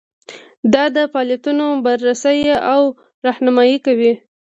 دا د فعالیتونو بررسي او رهنمایي کوي.